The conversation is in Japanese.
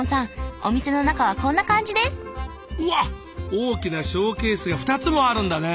大きなショーケースが２つもあるんだね！